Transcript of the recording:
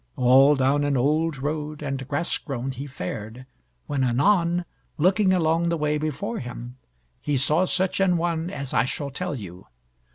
All down an old road, and grass grown, he fared, when anon, looking along the way before him, he saw such an one as I shall tell you.